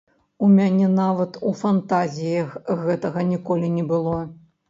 У мяне нават у фантазіях гэтага ніколі не было.